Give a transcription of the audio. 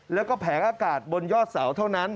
แล้วก็แผงอากาศบนยอดเสาเท่านั้น